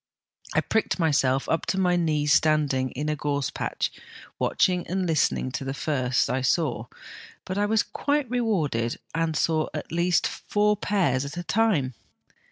I pricked myself up to my knees standing in a gorse patch watching and listening to the first I saw, but I was quite rewarded, and saw at least four pairs at one time.